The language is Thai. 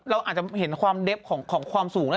เราอาจจะเห็นความเด็บของความสูงนะ